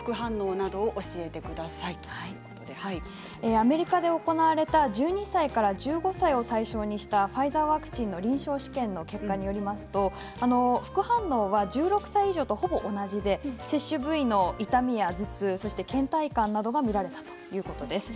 アメリカで行われた１２歳から１５歳を対象にしたファイザーワクチンの臨床試験の結果によると副反応は１６歳以上とほぼ同じで接種部位の痛みや、頭痛けん怠感などが見られたということです。